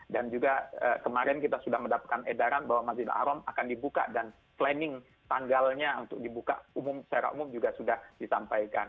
dan juga kemarin kita sudah mendapatkan edaran bahwa masjid al ahram akan dibuka dan planning tanggalnya untuk dibuka secara umum juga sudah disampaikan